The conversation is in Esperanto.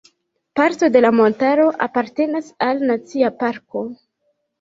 Parto de la montaro apartenas al Nacia parko.